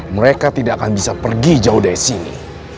mereka tidak akan bisa pergi jauh dari sini